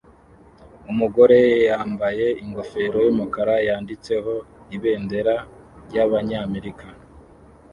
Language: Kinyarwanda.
Umugore yambaye ingofero yumukara yanditseho ibendera ryabanyamerika